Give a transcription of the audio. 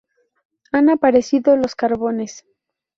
Han aparecido los carbones.